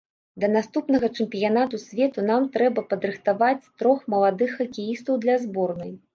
Да наступнага чэмпіянату свету нам трэба падрыхтаваць трох маладых хакеістаў для зборнай.